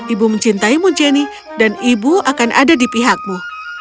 ibu mencintaimu jenny dan ibu akan ada di pihakmu